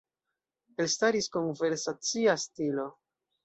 Elstaris konversacia stilo.